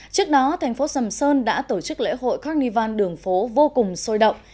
trước đó thành phố sầm sơn đã tổ chức lễ hội carnival đường phố vô cùng sôi động